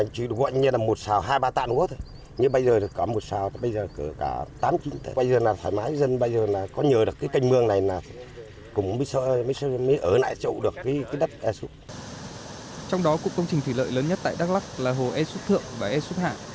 trong đó cục công trình thủy lợi lớn nhất tại đắk lắc là hồ esup thượng và esup hạ